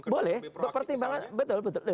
boleh pertimbangan betul betul